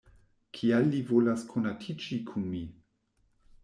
Kial li volas konatiĝi kun mi?